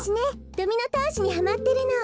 ドミノたおしにハマってるの。